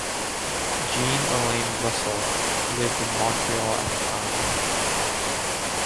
Jean-Alain Roussel lived in Montreal at the time.